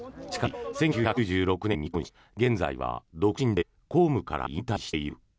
しかし、１９９６年に離婚し現在は独身で公務から引退している。